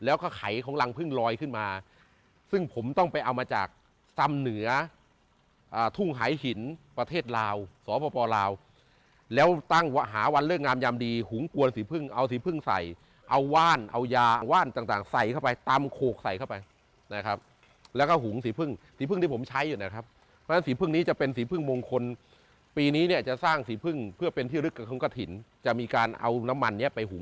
เอามาจากสำเหนือทุ่งหายหินประเทศลาวสปลาวแล้วตั้งหาวันเลิกงามยามดีหุงกวนสีพึ่งเอาสีพึ่งใส่เอาว่านเอายาว่านต่างใส่เข้าไปตำโขกใส่เข้าไปนะครับแล้วก็หุงสีพึ่งสีพึ่งที่ผมใช้อยู่นะครับเพราะฉะนั้นสีพึ่งนี้จะเป็นสีพึ่งมงคลปีนี้เนี่ยจะสร้างสีพึ่งเพื่อเป็นที่ลึกกระทินจะมีการเอาน